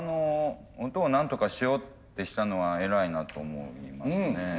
音をなんとかしようってしたのは偉いなと思いますね。